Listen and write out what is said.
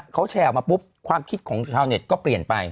เขาแชร์ออกมาปุ๊บความคิดของชาวเน็ตก็เปลี่ยนไป